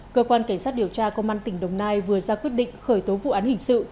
cơ quan cảnh sát điều tra công an tỉnh đồng nai vừa ra quyết định khởi tố vụ án hình sự